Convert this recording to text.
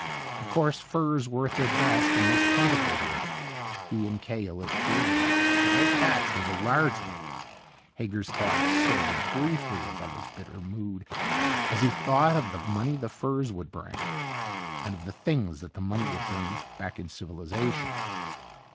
Of course, furs were at their best and most plentiful here. He and Cahill had proved that, for their catch was a large one. Hager's thoughts soared briefly above his bitter mood as he thought of the money the furs would bring. And of the things that the money would bring back in civilization.